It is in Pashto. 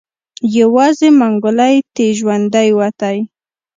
يوازې منګلی تې ژوندی وتی.